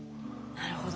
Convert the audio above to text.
なるほど。